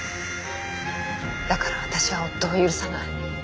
だから私は夫を許さない。